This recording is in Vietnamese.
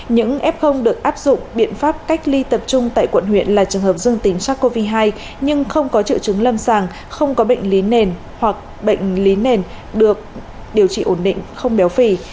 những f được áp dụng biện pháp cách ly tập trung tại quận huyện là trường hợp dương tính sars cov hai nhưng không có triệu chứng lâm sàng không có bệnh lý nền hoặc bệnh lý nền được điều trị ổn định không béo phì